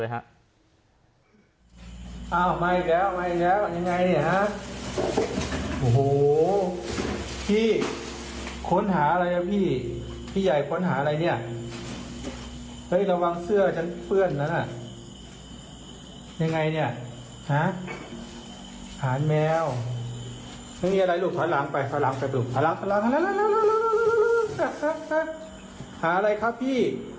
หาอะไรครับพี่